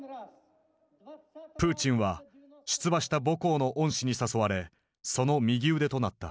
プーチンは出馬した母校の恩師に誘われその右腕となった。